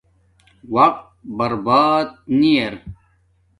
وقت برباد نی ار